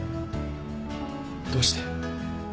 どうして？